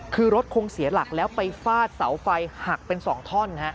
คือรถคงเสียหลักแล้วไปฟาดเสาไฟหักเป็น๒ท่อน